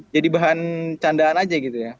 jadi bahan candaan aja gitu ya